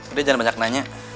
udah jangan banyak nanya